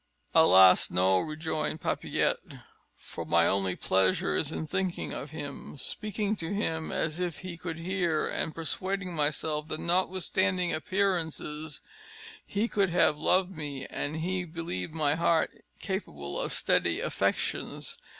"Alas, no!" rejoined Papillette, "for my only pleasure is in thinking of him, speaking to him as if he could hear, and persuading myself that, notwithstanding appearances, he could have loved me, had he believed my heart capable of steady affections.